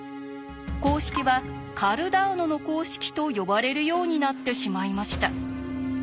公式は「カルダーノの公式」と呼ばれるようになってしまいました。